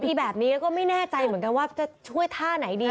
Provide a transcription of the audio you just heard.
พี่แบบนี้แล้วก็ไม่แน่ใจเหมือนกันว่าจะช่วยท่าไหนดี